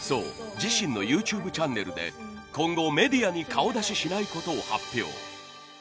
自身のＹｏｕＴｕｂｅチャンネルで今後メディアに顔出ししない事を発表。